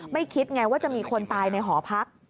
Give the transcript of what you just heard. คิดไงว่าจะมีคนตายในหอพัก